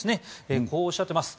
こうおっしゃっています。